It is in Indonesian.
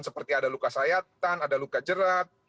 seperti ada luka sayatan ada luka jerat